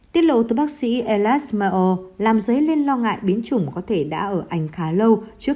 tiết lộ từ bác sĩ elias meyer làm dấy lên lo ngại biến chủng có thể đã ở ảnh khá lâu trước